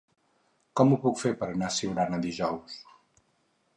Com ho puc fer per anar a Siurana dijous?